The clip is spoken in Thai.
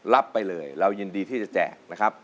รับไปเลยเรายินดีที่จะแจกนะครับ